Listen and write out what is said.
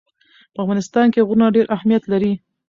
په افغانستان کې غرونه ډېر اهمیت لري.